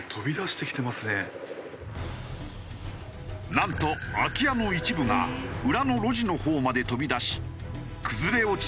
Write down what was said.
なんと空き家の一部が裏の路地のほうまで飛び出し崩れ落ち